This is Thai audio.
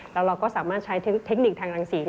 แล้วเราก็สามารถใช้เทคนิคทางรังสี